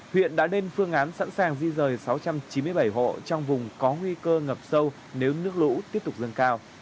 huyện đã lên phương án sẵn sàng di rời sáu trăm chín mươi bảy hộ trong vùng có nguy cơ ngập sâu nếu nước lũ tiếp tục lân cao